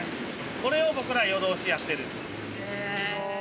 これを僕ら、夜通しやってるんです。